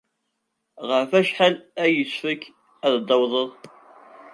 Ɣef wacḥal ay yessefk ad tawḍed?